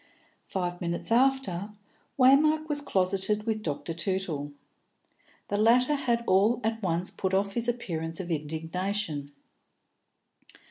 Five minutes after, Waymark was closeted with Dr. Tootle. The latter had all at once put off his appearance of indignation.